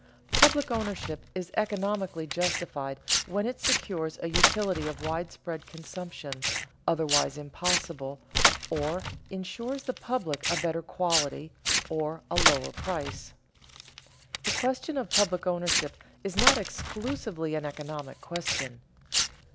_Public ownership is economically justified when it secures a utility of widespread consumption, otherwise impossible, or insures the public a better quality or a lower price._ The question of public ownership is not exclusively an economic question.